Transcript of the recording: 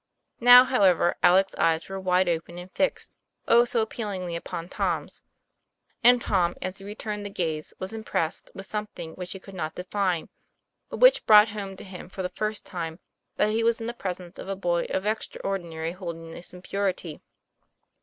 Now, however, Alec's eyes were wide open and fixed, oh, so appeal ingly, upon Tom's. And Tom, as he returned the gaze, was impressed with something which he could not define, but which brought home to him for the first time, that he was in the presence of a boy of extraordinary holiness and purity.